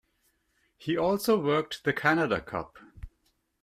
He also worked the Canada Cup.